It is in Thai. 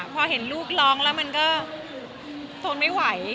พอเห็นลูกร้องแล้วมันก็ทนไม่ไหว